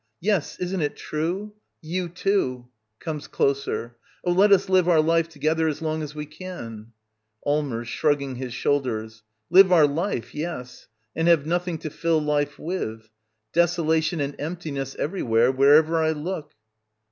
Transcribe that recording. ] Yes, isn't it true ! i^xYou, too! [Owncs closer.] Oh, let us live our life together as long as we can ! Allmbrs. [Shrugging his shoulders.] Live our life, yes I And have nothing to fill life with. Deso i^lation and emptiness everywhere — wherever I look.